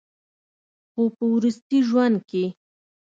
خو پۀ وروستي ژوند کښې